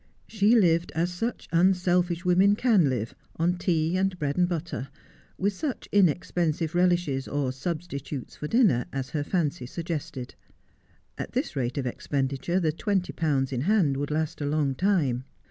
She lived as such unselfish women can live, on tea and bread and butter, with such inexpensive relishes or substitutes for dinner as her fancy suggested. At 178 Just as I Am. this rate of expenditure the twenty pounds in hand would last a long time.